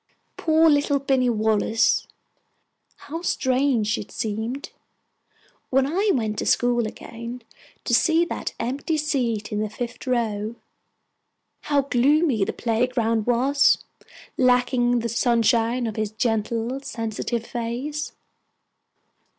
Poor little Binny Wallace! How strange it seemed, when I went to school again, to see that empty seat in the fifth row! How gloomy the playground was, lacking the sunshine of his gentle, sensitive face!